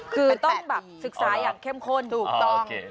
คือต้องแบบศึกษาอย่างเข้มข้นถูกต้อง